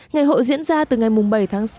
ngày hội diễn ra từ ngày bảy tháng sáu